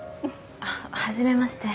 あっはじめまして。